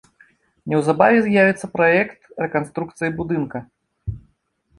Неўзабаве з'явіцца праект рэканструкцыі будынка.